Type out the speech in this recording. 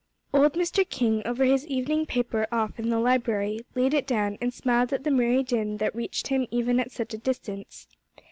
Old Mr. King, over his evening paper off in the library, laid it down, and smiled at the merry din that reached him even at such a distance.